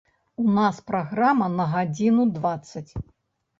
У нас праграма на гадзіну дваццаць.